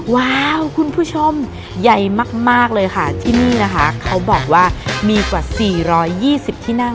ว้าวคุณผู้ชมใหญ่มากเลยค่ะที่นี่นะคะเขาบอกว่ามีกว่า๔๒๐ที่นั่ง